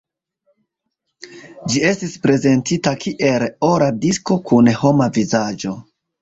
Ĝi estis prezentita kiel ora disko kun homa vizaĝo.